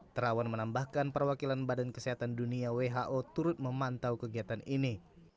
terawan menambahkan perwakilan badan kesehatan dunia who turut memantau kegiatan ini